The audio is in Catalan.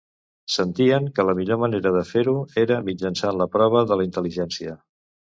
Sentien que la millor manera de fer-ho era mitjançant la prova de la intel·ligència.